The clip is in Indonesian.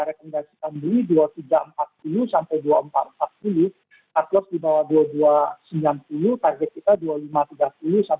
rekomendasikan beli dua ribu tiga ratus empat puluh sampai dua ribu empat ratus empat puluh atlas dibawah dua ribu dua ratus empat puluh ya jadi ini kita bisa mendapatkan